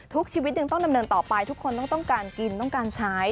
ชีวิตยังต้องดำเนินต่อไปทุกคนต้องการกินต้องการใช้